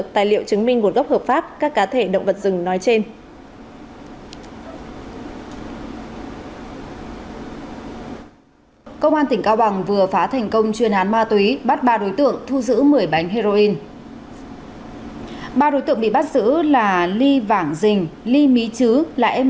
tài liệu chứng minh nguồn gốc hợp pháp các cá thể động vật rừng nói trên